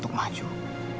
e r tak pinter